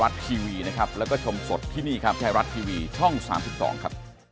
สวัสดีครับ